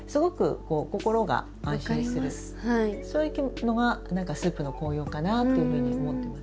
そういうのが何かスープの効用かなっていうふうに思ってます。